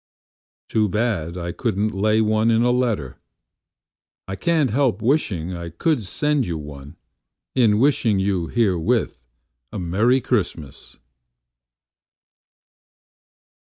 Too bad I couldn't lay one in a letter.I can't help wishing I could send you one, In wishing you herewith a Merry Christmas.